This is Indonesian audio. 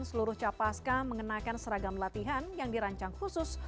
seluruh capaska mengenakan seragam latihan yang dirancang khusus